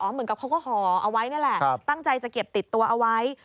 เหมือนกับเขาก็ห่อเอาไว้นี่แหละตั้งใจจะเก็บติดตัวเอาไว้